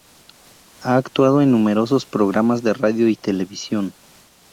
Ha actuado en numerosos programas de radio y televisión.